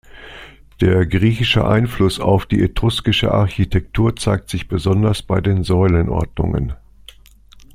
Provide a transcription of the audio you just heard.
Der griechische Einfluss auf die etruskische Architektur zeigt sich besonders bei den Säulenordnungen.